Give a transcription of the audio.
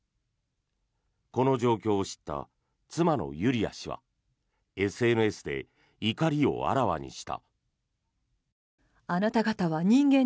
この状況を知った妻のユリア氏はＳＮＳで怒りをあらわにした。